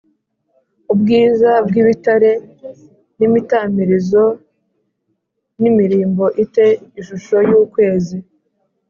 ubwiza bw ibitare n imitamirizo n imirimbo i te ishusho y ukwezi